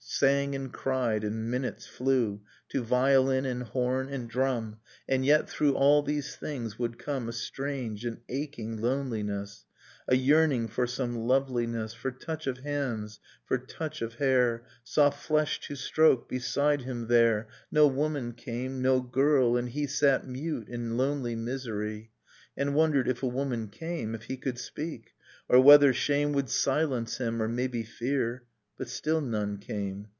Sang and cried, and minutes flew, To violin and horn and drum ... And yet, through all these things, would come A strange, an aching loneliness, A yearning for some loveliness. For touch of hands, for touch of hair, Soft flesh to stroke ... Beside him there Nocturne of Remembered Spring No woman came, no girl, and he Sat mute in lonely misery: And wondered, if a woman came, If he could speak, or whether shame Would silence him, or, maybe, fear. But still none came.